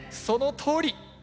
そのとおり！